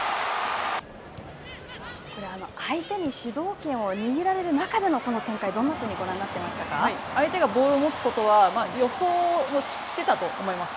これ、相手に主導権を握られる中でのこの展開、どういうふうにご覧にな相手がボールを持つことは予想してたと思います。